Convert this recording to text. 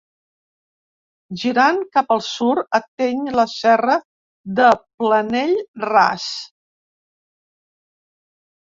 Girant cap al sud, ateny la Serra de Planell Ras.